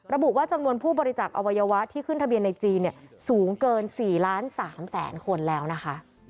ระบุว่าจำนวนผู้บริจักษ์อวัยวะที่ขึ้นทะเบียนในจีนสูงเกิน๔ล้าน๓แสนคนแล้วนะคะ